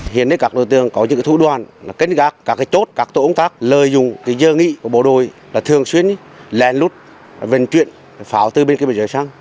hiện các đối tượng có những thủ đoạn kết gác các chốt các tổ ứng tác lợi dụng dơ nghị của bộ đội là thường xuyên lèn lút vận chuyển pháo từ biên giới sang